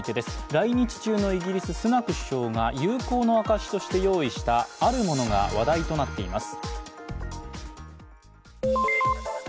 来日中のイギリス・スナク首相が友好の証しとして用意したあるものが話題となっています。